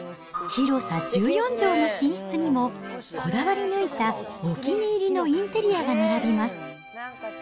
広さ１４畳の寝室にも、こだわり抜いたお気に入りのインテリアが並びます。